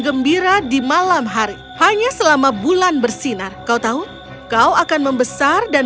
gembira di malam hari hanya selama bulan bersinar kau tahu kau akan membesar dan